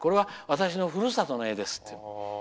これは私のふるさとの絵ですよって。